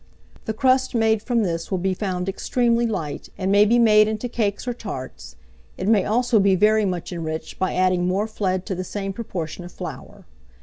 The crust made from this will be found extremely light, and may be made into cakes or tarts; it may also be very much enriched by adding more flead to the same proportion of flour.